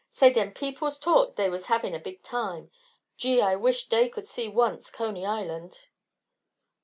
Say, dem peoples t'ought dey was havin' a big time. Gee, I wished day could see once Coney Island!"